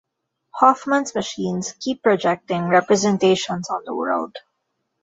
Hoffman's machines keep "projecting representations on the world".